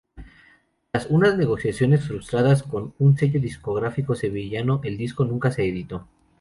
Tras unas negociaciones frustradas con un sello discográfico sevillano el disco nunca se editó.